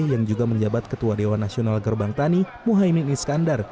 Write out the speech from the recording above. yang juga menjabat ketua dewan nasional gerbang tani muhaymin iskandar